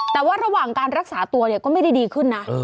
แต่ว่าระหว่างการรักษาตัวเนี่ยก็ไม่ได้ดีขึ้นนะ